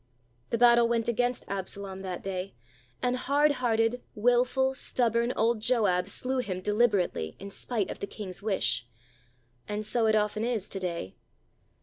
The battle went against Absalom that day, and hard hearted, wilful, stubborn, old Joab slew him deliberately in spite of the king's wish. And so it often is to day.